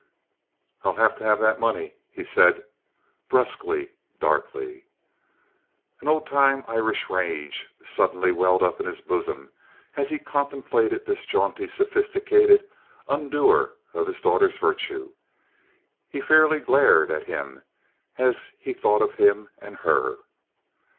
"I'll have to have that money," he said, brusquely, darkly. An old time Irish rage suddenly welled up in his bosom as he contemplated this jaunty, sophisticated undoer of his daughter's virtue. He fairly glared at him as he thought of him and her.